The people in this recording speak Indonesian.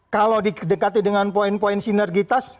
kalau di dekati dengan poin poin sinergitas